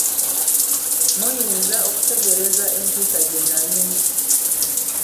Muyinza okutegereza entiisa gye nalimu.